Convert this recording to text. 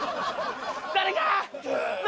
誰か！